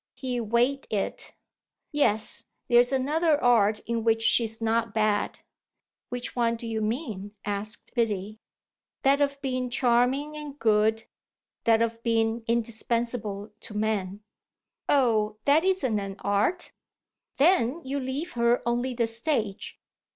He weighed it. "Yes, there's another art in which she's not bad." "Which one do you mean?" asked Biddy. "That of being charming and good, that of being indispensable to man." "Oh that isn't an art." "Then you leave her only the stage.